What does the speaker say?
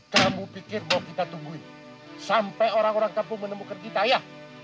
kamu pikir mau kita tungguin sampai orang orang kampung menemukan kita ya